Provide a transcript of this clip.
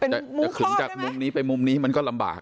จะขึงจากมุมนี้ไปมุมนี้มันก็ลำบาก